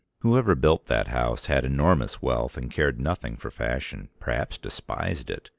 Whoever built that house had enormous wealth and cared nothing for fashion, perhaps despised it.